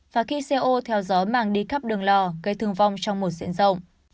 và khi co theo gió mang đi khắp đường lò gây thương vong trong một diễn rộng